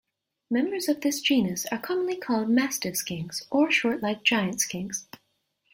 Members of this genus are commonly called mastiff skinks or short-legged giant skinks.